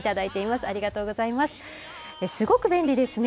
すごく便利ですね。